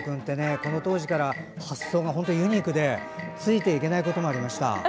この当時から発想が本当にユニークでついていけないこともありました。